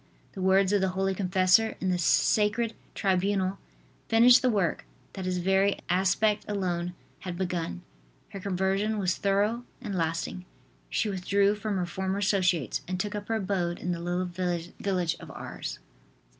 The words of the holy confessor in the sacred tribunal finished the work that his very aspect alone had begun. Her conversion was thorough and lasting. She withdrew from her former associates and took up her abode in the little village of Ars.